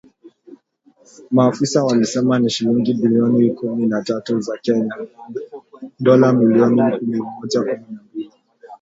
Maafisa walisema ni shilingi bilioni kumi na tatu za Kenya (dola milioni mia moja kumi na mbili)